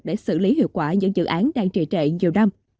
để xử lý hiệu quả những dự án đang trì trệ nhiều năm